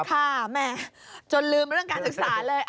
แหมจนลืมเรื่องการศึกษาเลย